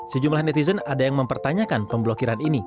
sejumlah netizen ada yang mempertanyakan pemblokiran ini